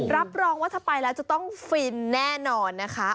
รับรองว่าถ้าไปแล้วจะต้องฟินแน่นอนนะคะ